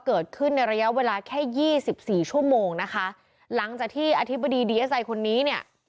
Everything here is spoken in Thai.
เกิดขึ้นในระยะเวลาแค่ยี่สิบสี่ชั่วโมงนะคะหลังจากที่อธิบดีดีเอสไอคนนี้เนี่ย